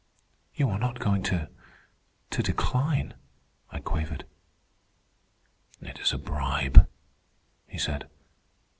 "You are not going to ... to decline?" I quavered. "It is a bribe," he said.